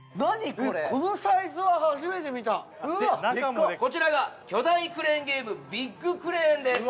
これこのサイズは初めて見たこちらが巨大クレーンゲームビッグクレーンです